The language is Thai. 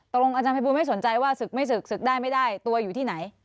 อาจารย์ภัยบูลไม่สนใจว่าศึกไม่ศึกศึกได้ไม่ได้ตัวอยู่ที่ไหน